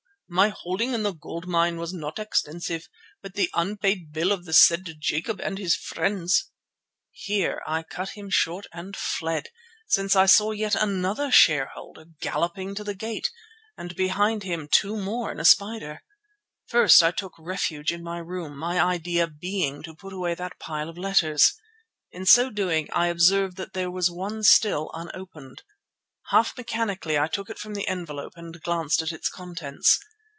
My holding in the gold mine was not extensive, but the unpaid bill of the said Jacob and his friends——" Here I cut him short and fled, since I saw yet another shareholder galloping to the gate, and behind him two more in a spider. First I took refuge in my room, my idea being to put away that pile of letters. In so doing I observed that there was one still unopened. Half mechanically I took it from the envelope and glanced at its contents.